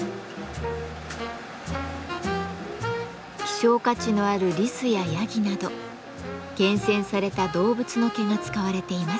希少価値のあるリスやヤギなど厳選された動物の毛が使われています。